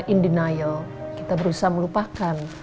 in denial kita berusaha melupakan